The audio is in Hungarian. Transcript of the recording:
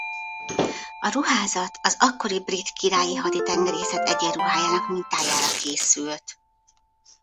A ruházat az akkori Brit Királyi Haditengerészet egyenruhájának mintájára készült.